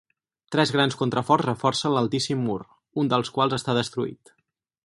Tres grans contraforts reforcen l'altíssim mur, un dels quals està destruït.